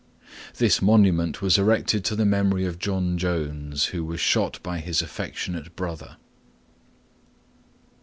"This monument was erected to the memory of John Jones, who was shot by his affectionate brother."